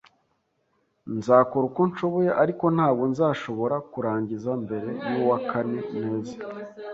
Nzakora uko nshoboye, ariko ntabwo nzashobora kurangiza mbere yuwakane neza